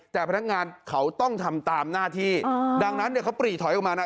แต่พนักงานเขาต้องทำตามหน้าที่ดังนั้นเนี่ยเขาปรีถอยออกมานะ